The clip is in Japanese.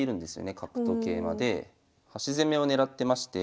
角と桂馬で端攻めをねらってまして。